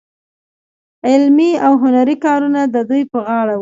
علمي او هنري کارونه د دوی په غاړه وو.